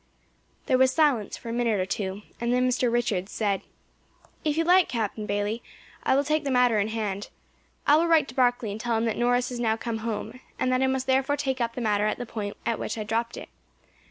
There was silence for a minute or two, and then Mr. Richards said. "If you like, Captain Bayley, I will take the matter in hand. I will write to Barkley and tell him that Norris has now come home, and that I must therefore take up the matter at the point at which I dropped it.